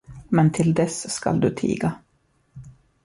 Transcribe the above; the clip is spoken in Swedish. Men till dess skall du tiga.